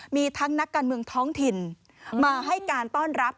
มีทั้งนักการเมืองท้องถิ่นมาให้การต้อนรับ